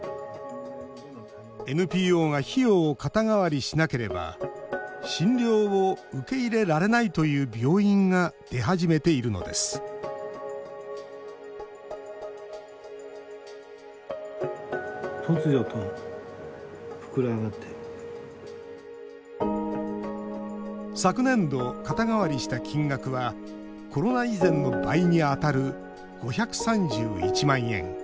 ＮＰＯが費用を肩代わりしなければ診療を受け入れられないという病院が出始めているのです昨年度、肩代わりした金額はコロナ以前の倍に当たる５３１万円。